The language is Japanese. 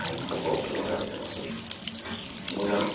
もういらんの？